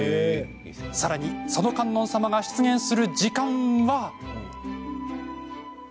さらにその観音様が出現する時間は。